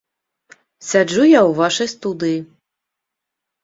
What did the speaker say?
Сяджу я ў вашай студыі.